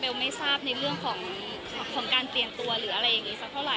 ไม่ทราบในเรื่องของการเปลี่ยนตัวหรืออะไรอย่างนี้สักเท่าไห